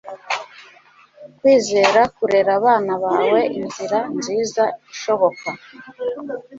kwizera kurera abana bawe inzira nziza ishoboka